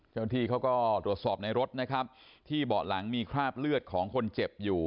เจ้าหน้าที่เขาก็ตรวจสอบในรถนะครับที่เบาะหลังมีคราบเลือดของคนเจ็บอยู่